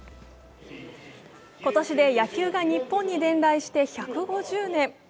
今年で野球が日本に伝来して１５０年。